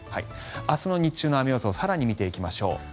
明日の日中の雨予想更に見ていきましょう。